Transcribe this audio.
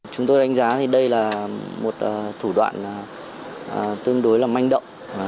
chúng tôi đánh giá thì đây là một thủ đoạn tương đối là manh động